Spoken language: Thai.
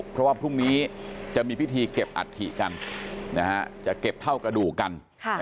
เพราะว่าพรุ่งนี้จะมีพิธีเก็บอัฐิกันจะเก็บเท่ากระดูกกัน